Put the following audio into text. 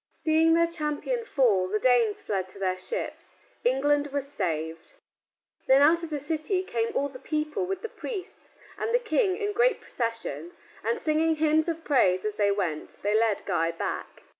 Seeing their champion fall, the Danes fled to their ships. England was saved. Then out of the city came all the people with the priests and King in great procession, and singing hymns of praise as they went, they led Guy back.